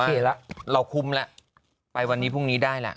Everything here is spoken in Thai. แบบว่าเราคุ้มแล้วไปวันนี้พรุ่งนี้ได้ละ